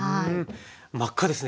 真っ赤ですね